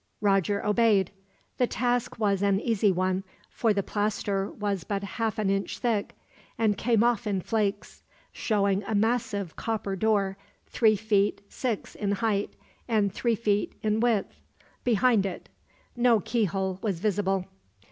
Roger obeyed. The task was an easy one, for the plaster was but half an inch thick, and came off in flakes; showing a massive copper door, three feet six in height, and three feet in width, behind it. No keyhole was visible.